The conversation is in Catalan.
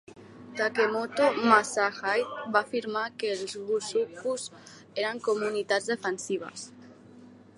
Takemoto Masahide va afirmar que els gusuku eren comunitats defensives.